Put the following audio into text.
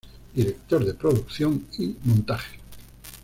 Director de producción y montaje.